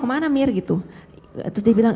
kemana mir gitu terus dia bilang